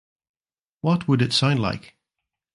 What would it sound like?